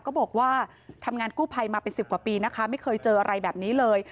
ก็บอกว่าทำงานกู้ภัยมาเป็น๑๐กว่าปีนะคะไม่เคยเจออะไรแบบนี้เลย